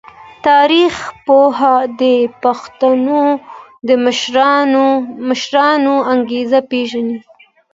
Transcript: تاریخ پوه د پیښو د مشرانو انګیزې پیژني.